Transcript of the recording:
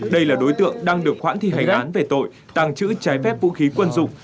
đây là đối tượng đang được hoãn thi hành án về tội tàng trữ trái phép vũ khí quân dụng